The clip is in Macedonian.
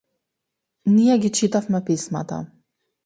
Ние ги читавме писмата.